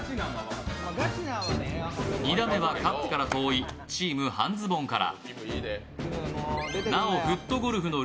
２打目はカップから遠いチーム半ズボンから。